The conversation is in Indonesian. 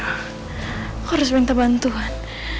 aku harus minta bantuan